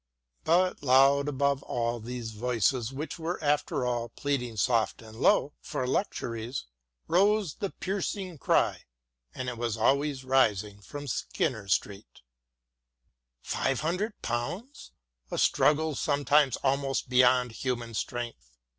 " But loud above all these voices, which were after all pleading soft and low for luxuries, rose the piercing cry, and it was always rising, from Skinner Street :" Five hundred pounds !... a struggle sometimes almost beyond human strength."